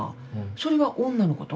それは女の子と？